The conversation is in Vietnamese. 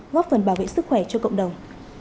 góp phần bảo vệ sức khỏe cho cộng đồng